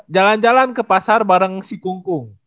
jalan jalan ke pasar bareng si kungkung